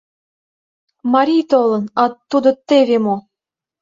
Марий толын - а тудо теве мо!